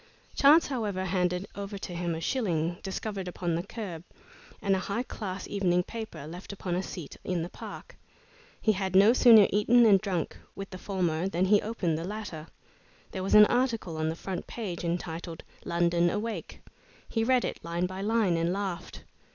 Chance, however, handed over to him a shilling discovered upon the curb, and a high class evening paper left upon a seat in the Park. He had no sooner eaten and drunk with the former than he opened the latter. There was an article on the front page entitled "London Awake." He read it line by line and laughed.